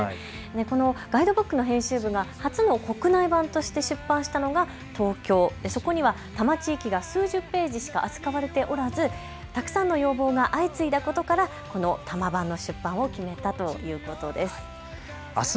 このガイドブックの編集部は初の国内版として出版したのが東京、そこには多摩地域が数十ページしか扱われておらずたくさんの要望が相次いだことからこの多摩版の出版を決めたということです。